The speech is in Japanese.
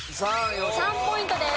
３ポイントです。